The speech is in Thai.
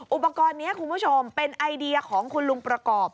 อุปกรณ์นี้คุณผู้ชมเป็นไอเดียของคุณลุงประกอบ